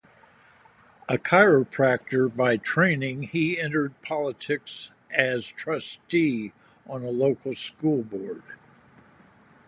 A chiropractor by training, he entered politics as trustee on a local school board.